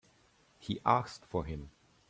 He asked for him.